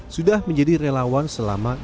sudah menjadi relawan selama tiga tahun